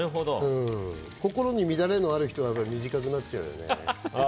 心に乱れが出る人は短くなっちゃう。